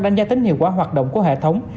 đánh giá tính hiệu quả hoạt động của hệ thống